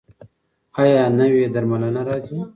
ایا نوې درملنه راځي؟